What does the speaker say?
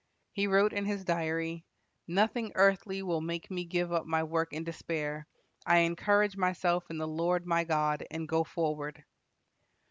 He wrote in his diary: "Nothing earthly will make me give up my work in despair. I encourage myself in the Lord my God, and go forward."